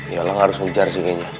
yolang harus ngejar sih kayaknya